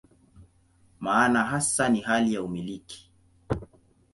Maana hasa ni hali ya "umiliki".